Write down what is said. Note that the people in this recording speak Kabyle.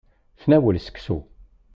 Tnawel seksu.